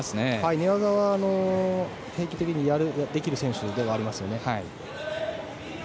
寝技はできる選手ではありますよね。